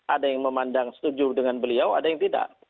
ada yang memandang setuju dengan beliau ada yang tidak